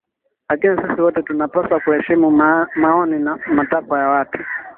lakini sisi wote tunapaswa kuheshimu maoni na matakwa ya watu